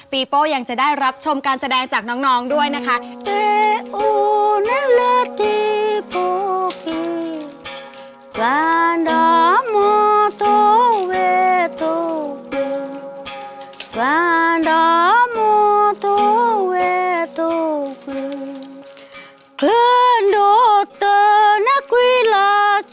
โป้ยังจะได้รับชมการแสดงจากน้องด้วยนะคะ